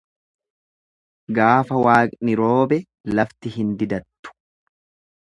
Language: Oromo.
Gaafa waaqni roobe lafti hin didattu.